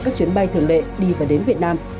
các chuyến bay thường lệ đi và đến việt nam